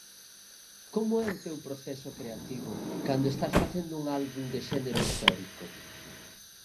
Como é o teu proceso creativo cando estás facendo un álbum de xénero histórico?